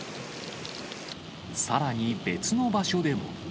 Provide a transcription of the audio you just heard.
さらに、別の場所でも。